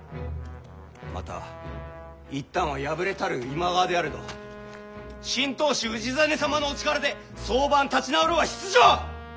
また一旦は敗れたる今川であれど新当主氏真様のお力で早晩立ち直るは必定！